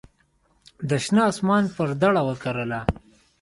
د شنه اسمان پر دړه وکرله